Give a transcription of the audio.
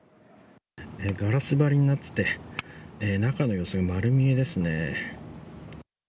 ガラス張りになってて、中の様子が丸見えですね。